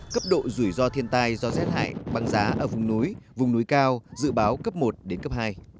cấp độ rủi ro thiên tai do rét hại băng giá ở vùng núi vùng núi cao dự báo cấp một đến cấp hai